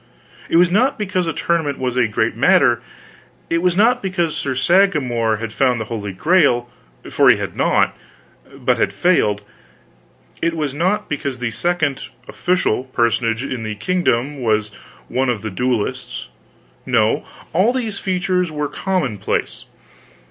It was not because a tournament was a great matter, it was not because Sir Sagramor had found the Holy Grail, for he had not, but had failed; it was not because the second (official) personage in the kingdom was one of the duellists; no, all these features were commonplace.